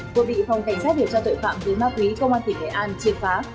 vừa bị phòng cảnh sát điều tra tội phạm với ma quý công an tp hcm chiếm phá